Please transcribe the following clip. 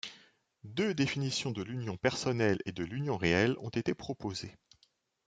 Deux définitions de l’union personnelle et de l’union réelle ont été proposées.